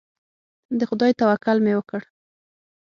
د خدای توکل مې وکړ.